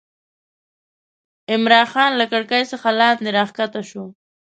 عمرا خان له کړکۍ څخه لاندې راکښته شو.